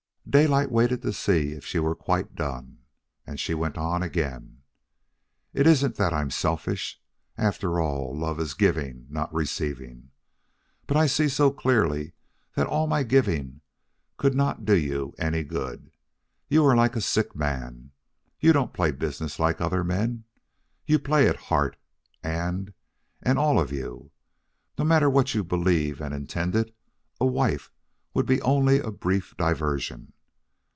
Daylight waited to see if she were quite done, and she went on again. "It isn't that I am selfish. After all, love is giving, not receiving. But I see so clearly that all my giving could not do you any good. You are like a sick man. You don't play business like other men. You play it heart and and all of you. No matter what you believed and intended a wife would be only a brief diversion.